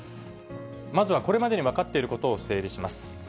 まずはこれまでに分かっていることを整理します。